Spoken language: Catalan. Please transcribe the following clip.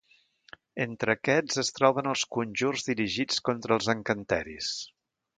Entre aquests es troben els conjurs dirigits contra els encanteris.